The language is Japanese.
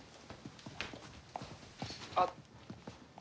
あっ。